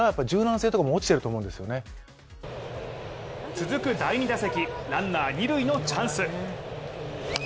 続く第２打席、ランナー二塁のチャンス。